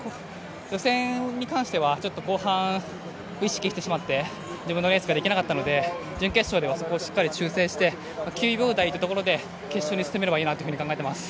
予選に関しては、後半を意識してしまって自分のレースができなかったので準決勝ではそこをしっかり修正して９秒台というところで決勝に進めればいいなと思います。